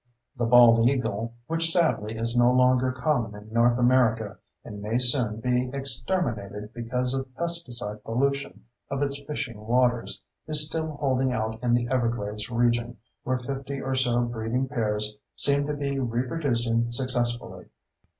The bald eagle, which, sadly, is no longer common in North America and may soon be exterminated because of pesticide pollution of its fishing waters, is still holding out in the Everglades region, where 50 or so breeding pairs seem to be reproducing successfully.